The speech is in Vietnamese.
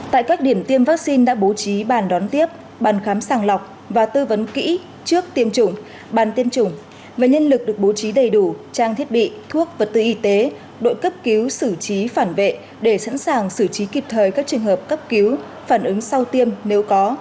tại các điểm tiêm vaccine đã bố trí bàn đón tiếp bàn khám sàng lọc và tư vấn kỹ trước tiêm chủng bàn tiêm chủng và nhân lực được bố trí đầy đủ trang thiết bị thuốc vật tư y tế đội cấp cứu xử trí phản vệ để sẵn sàng xử trí kịp thời các trường hợp cấp cứu phản ứng sau tiêm nếu có